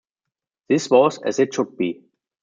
This was as it should be.